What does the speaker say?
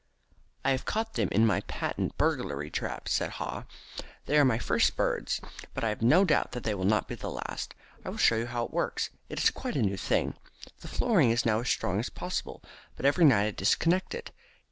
"I have caught them in my patent burglar trap," said Haw. "They are my first birds, but I have no doubt that they will not be the last. I will show you how it works. It is quite a new thing. This flooring is now as strong as possible, but every night I disconnect it.